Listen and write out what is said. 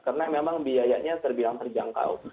karena memang biayanya terbilang terjangkau